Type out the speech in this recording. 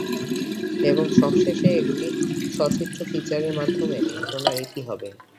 এবং সবেশেষে একটি সচিত্র ফিচারের মাধ্যমে ঘটনার ইতি হবে।